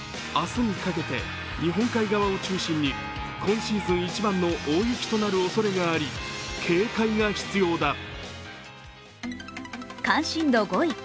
明日にかけて日本海側を中心に今シーズン一番の大雪となるおそれがあり、警戒が必要だ。